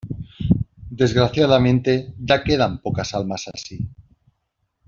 desgraciadamente, ya quedan pocas almas así.